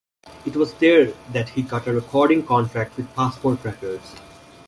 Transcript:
It was there that he got a recording contract with Passport Records.